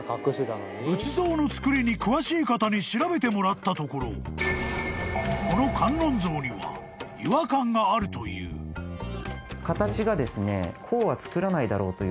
［仏像のつくりに詳しい方に調べてもらったところこの観音像には違和感があるという］形がですね。